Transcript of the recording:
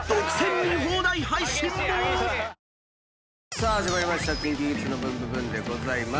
さあ始まりました『ＫｉｎＫｉＫｉｄｓのブンブブーン！』です。